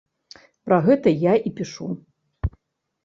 Пра гэта я і пішу.